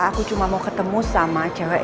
aku cuma mau ketemu sama cewek